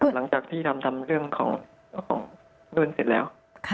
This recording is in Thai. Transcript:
หลังจากที่นำทำเรื่องของนุ่นเสร็จแล้ว